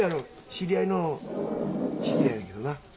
知り合いの知り合いやねんけどな。